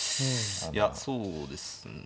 いやそうですね